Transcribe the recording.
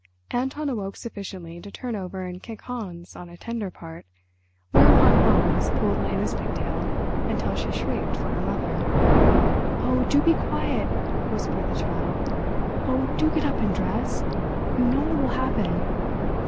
Anton awoke sufficiently to turn over and kick Hans on a tender part, whereupon Hans pulled Lena's pigtail until she shrieked for her mother. "Oh, do be quiet," whispered the Child. "Oh, do get up and dress. You know what will happen.